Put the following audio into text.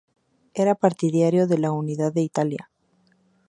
Era partidario de la unidad de Italia.